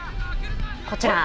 こちら。